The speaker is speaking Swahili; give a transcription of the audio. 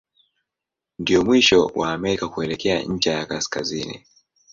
Ndio mwisho wa Amerika kuelekea ncha ya kaskazini.